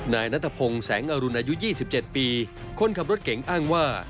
นายนัทพงศ์แสงอรุณอายุ๒๗ปีคนขับรถเก๋งอ้างว่า